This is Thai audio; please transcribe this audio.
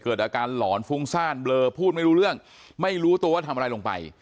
เกิดอาการหลอนฟุ้งซ่านเบลอพูดไม่รู้เรื่องไม่รู้ตัวว่าทำอะไรลงไป